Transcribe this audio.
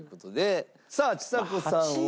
さあちさ子さんは。